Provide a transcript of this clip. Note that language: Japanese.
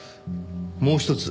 もう一つ。